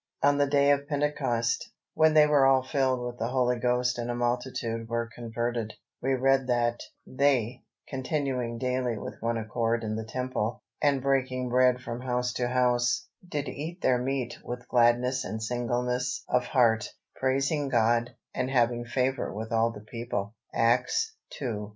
On the day of Pentecost, when they were all filled with the Holy Ghost and a multitude were converted, we read that "they, continuing daily with one accord in the temple, and breaking bread from house to house, did eat their meat with gladness and singleness of heart, praising God, and having favour with all the people" (Acts ii.